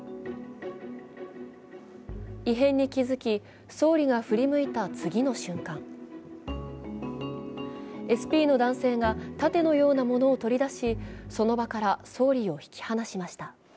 異変に気づき、総理が振り向いた次の瞬間、ＳＰの男性が盾のようなものを取り出しその場から総理を引き離しました。